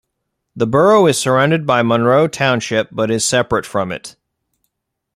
The borough is surrounded by Monroe Township but is separate from it.